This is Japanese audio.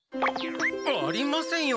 ありませんよ